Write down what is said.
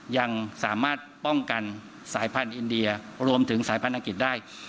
ยังสามารถป้องกันสายพันธุ์อินเดียรวมถึงสายพันธังกฤษได้